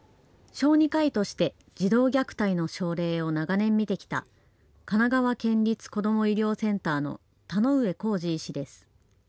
小児科医として児童虐待の症例を長年診てきた神奈川県立子ども医療センターの田上幸治医師です。